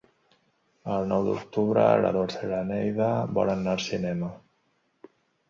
El nou d'octubre na Dolça i na Neida volen anar al cinema.